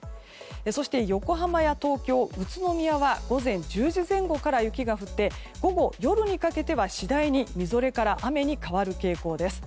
そして横浜や東京、宇都宮は午前１０時前後から雪が降って午後、夜にかけては次第にみぞれから雨に変わる傾向です。